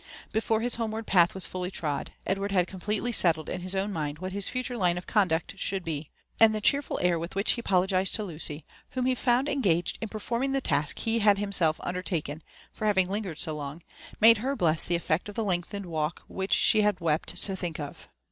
Before his homeward path was fully trod, Edward had completely settled in his own mind what his future line of conduct should be ; and the cheerful air with which he apologised to Lucy, whom he found engaged in performing the task he had himself under taken, for having lingered so long, made her bless the effect of the lengthened walk which she had wept to think of.